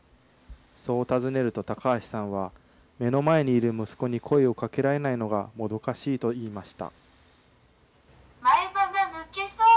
そう尋ねると高橋さんは、目の前にいる息子に声をかけられないのがもどかしいと言いました。